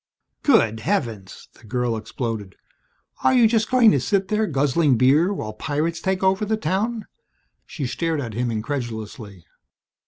"Good heavens!" the girl exploded. "Are you just going to sit there guzzling beer while pirates take over the town?" She stared at him incredulously.